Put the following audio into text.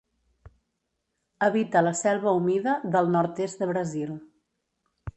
Habita la selva humida del nord-est de Brasil.